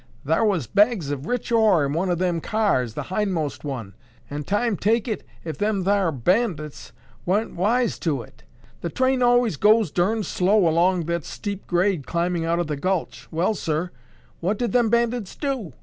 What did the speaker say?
Thar was bags of rich ore in one o' them cars—the hindmost one, an', time take it, if them thar bandits wa'n't wise to it. The train allays goes durn slow along that steep grade climbing up out o' the gulch. Well, sir, what did them bandits do?"